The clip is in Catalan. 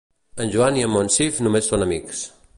En Joan i en Monsif només són amics.